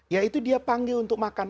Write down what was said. ya itu dia panggil untuk makan